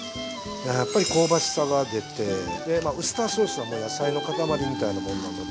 やっぱり香ばしさが出てウスターソースはもう野菜の塊みたいなものなので。